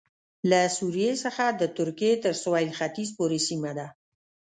له سوریې څخه د ترکیې تر سوېل ختیځ پورې سیمه ده